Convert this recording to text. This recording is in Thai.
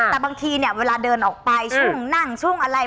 แต่บางทีเนี่ยเวลาเดินออกไปช่วงนั่งช่วงอะไร